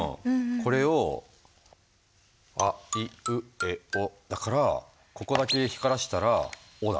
これをあいうえおだからここだけ光らしたら「お」だ。